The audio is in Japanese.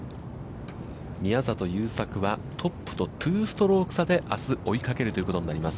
宮里優作はトップと２ストローク差であす追いかけるということになります。